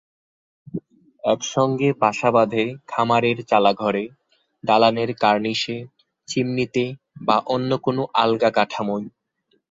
একসঙ্গে বাসা বাঁধে খামারের চালাঘরে, দালানের কার্নিশে, চিমনিতে, বা অন্য কোনো আলগা কাঠামোয়।